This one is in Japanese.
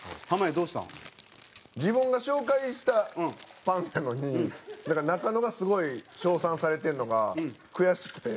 自分が紹介したパンやのになんか中野がすごい称賛されてるのが。